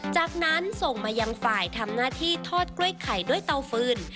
จากนั้นส่งมายังฝ่ายทำหน้าที่ทอดกล้วยไข่ด้วยเตาฟืน